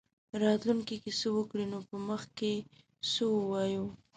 راتلونکې کې څه وکړي نو په مخ کې څه ووایو.